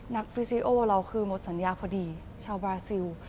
ฟิซิโอเราคือหมดสัญญาพอดีชาวบาซิล